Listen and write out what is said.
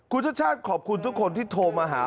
คุณชัชชาสิทธิพันธุ์ขอบคุณทุกคนที่โทรมาหา